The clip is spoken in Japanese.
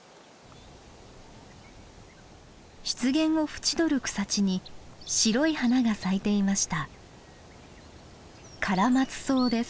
湿原を縁取る草地に白い花が咲いていました。